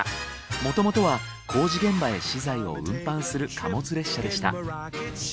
もともとは工事現場へ資材を運搬する貨物列車でした。